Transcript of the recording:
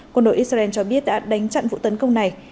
quân đội israel cho biết đã đánh chặn vụ tấn công này